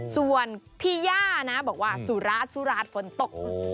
ส่วนพี่ย่านะบอกว่าสุราชสุราชฝนตก